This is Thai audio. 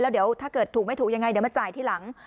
เดี๋ยวถ้าเกิดถูกไม่ถูกยังไงเดี๋ยวมาจ่ายทีหลัง